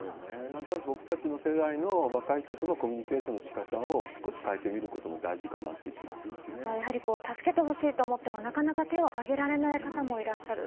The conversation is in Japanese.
なんとなく僕たちの世代の、若い人とのコミュニケーションのしかたを少し変えてみることも大あとはやはり助けてほしいと思っても、なかなか手を挙げられない方もいらっしゃる。